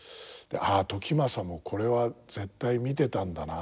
「ああ時政もこれは絶対見てたんだな」